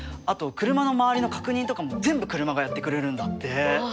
あと車の周りの確認とかも全部車がやってくれるんだって。